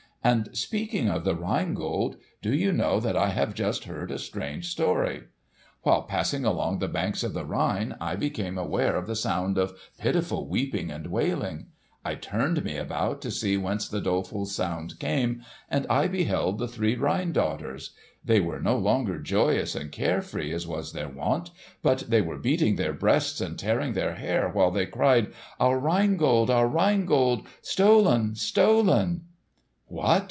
And, speaking of the Rhine Gold, do you know that I have just heard a strange story. "While passing along the banks of the Rhine, I became aware of the sound of pitiful weeping and wailing. I turned me about to see whence the doleful sound came, and I beheld the three Rhine Daughters. They were no longer joyous and care free as was their wont, but they were beating their breasts and tearing their hair while they cried, 'Our Rhine Gold! Our Rhine Gold! Stolen! Stolen!'" "What!